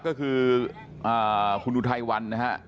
ก็คือคุณดูไทยวันนะครับ